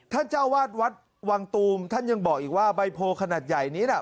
เจ้าวาดวัดวังตูมท่านยังบอกอีกว่าใบโพขนาดใหญ่นี้น่ะ